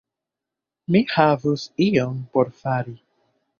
Mi havus ion por fari.